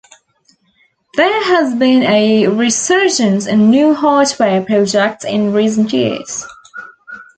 There has been a resurgence in new hardware projects in recent years.